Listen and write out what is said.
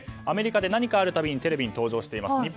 アメリカで何かある度にテレビに登場しています。